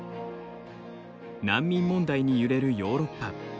難民問題に揺れるヨーロッパ。